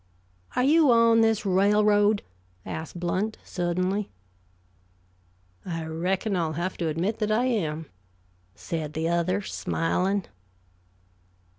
"Are you on this railroad?" asked Blount suddenly. "I reckon I'll have to admit that I am," said the other, smiling.